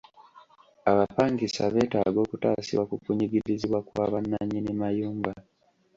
Abapangisa beetaaga okutaasibwa ku kunyigirizibwa kwa bannanyini mayumba.